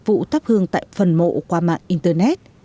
vụ thắp hương tại phần mộ qua mạng internet